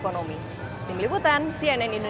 mungkin lebih efektif